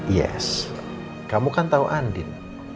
yes kamu kan tahu andin